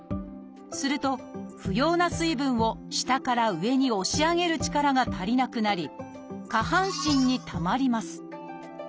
すると不要な水分を下から上に押し上げる力が足りなくなり下半身にたまります。